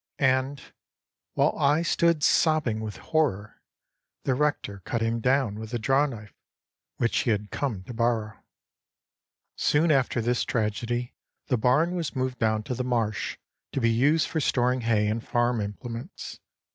And, while I stood sobbing with horror, the rector cut him down with the draw knife which he had come to borrow. Soon after this tragedy, the barn was moved down to the marsh, to be used for storing hay and farm implements.